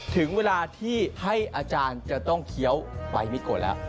ถึงเวลาที่ให้อาจารย์จะต้องเคี้ยวไปมิโกแล้ว